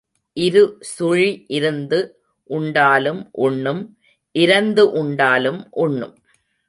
இரு சுழி இருந்து உண்டாலும் உண்ணும், இரந்து உண்டாலும் உண்ணும்.